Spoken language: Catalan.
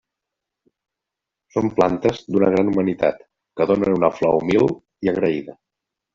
Són plantes d'una gran humanitat que donen una flor humil i agraïda.